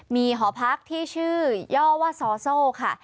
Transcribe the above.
มีหอพักที่ชื่อย่อว่าซอโซ่ค่ะ